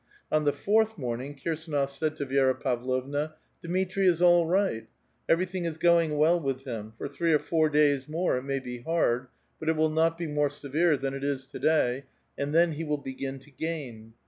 On the fourth morning, Kirsdnof said to Vi4ra Pavlovna :— "Dmitri is all right; everything is going well with him ; for three or four days more it may be hard, but it will not be more severe than it is to day, and then he will begin to gain.